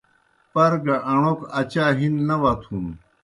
پر گہ اݨوکہ اچا ہِن نہ وتُھن۔